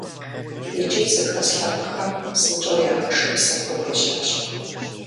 ИкӀи зыхэс лъэпкъхэм псынщӏэу яхэшыпсыхьу хуежьащ.